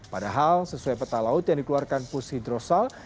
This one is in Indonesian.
padahal sesuai peta laut yang dikeluarkan pus hidrosal